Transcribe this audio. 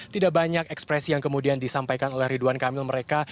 tidak banyak ekspresi yang kemudian disampaikan oleh ridwan kamil mereka